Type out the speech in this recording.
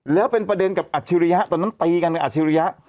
แล้วเป็นประเด็นกับอัจฉริยะตอนนั้นตีกันในอัจฉริยะ